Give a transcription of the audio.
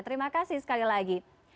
terima kasih sekali lagi